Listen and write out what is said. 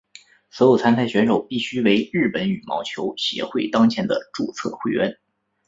所有参赛选手必须为日本羽毛球协会当前的注册会员。